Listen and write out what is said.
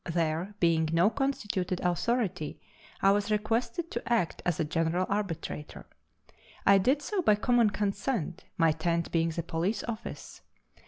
There being no constituted authority, I was requested to act as a general arbitrator. I did so by common consent, my tent being the police office.